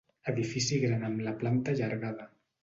Edifici gran amb la planta allargada.